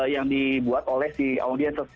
yang dibuat oleh si audiens